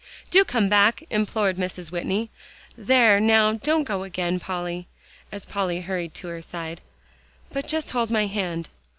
"Do come back," implored Mrs. Whitney; "there, now, don't go again, Polly," as Polly hurried to her side, "but just hold my hand."